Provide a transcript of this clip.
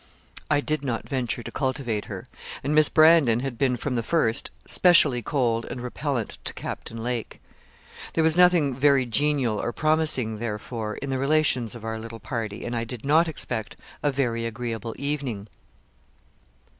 I did not venture to cultivate her; and Miss Brandon had been, from the first, specially cold and repellent to Captain Lake. There was nothing very genial or promising, therefore, in the relations of our little party, and I did not expect a very agreeable evening.